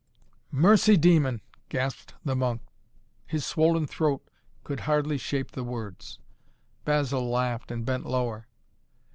"Mercy demon!" gasped the monk. His swollen throat could hardly shape the words. Basil laughed and bent lower.